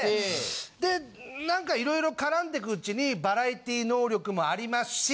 で何か色々絡んでくうちにバラエティー能力もありますし。